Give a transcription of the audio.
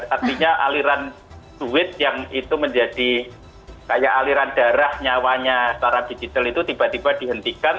artinya aliran duit yang itu menjadi kayak aliran darah nyawanya secara digital itu tiba tiba dihentikan